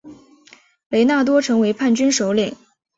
雷纳多成为叛军首领。